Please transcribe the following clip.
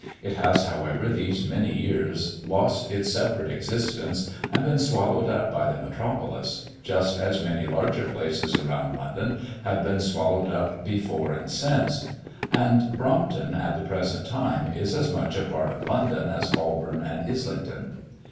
It has, however, these many years lost its separate existence, and been swallowed up by the metropolis, just as many larger places around London have been swallowed up before and since; and Brompton, at the present time, is as much a part of London as Holborn and Islington.